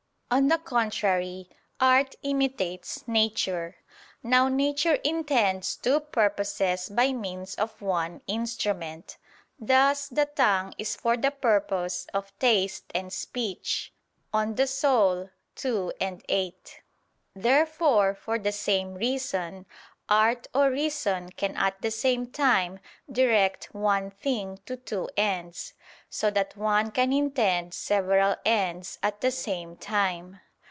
On the contrary, Art imitates nature. Now nature intends two purposes by means of one instrument: thus "the tongue is for the purpose of taste and speech" (De Anima ii, 8). Therefore, for the same reason, art or reason can at the same time direct one thing to two ends: so that one can intend several ends at the same time.